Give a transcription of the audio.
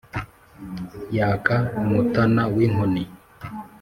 Yaka umutana w‘inkoni